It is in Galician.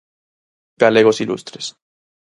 Galegos Ilustres.